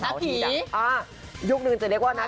จะเรียกว่าผีดาดา